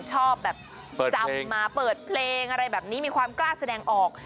ชอบแบบจำมาเปิดเพลงอะไรแบบนี้มีความกล้าแสดงออก